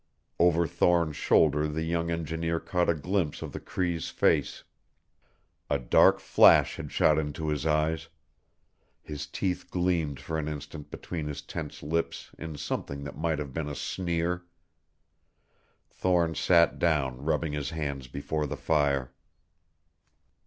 Over Thorne's shoulder the young engineer caught a glimpse of the Cree's face. A dark flash had shot into his eyes. His teeth gleamed for an instant between his tense lips in something that might have been a sneer. Thorne sat down, rubbing his hands before the fire.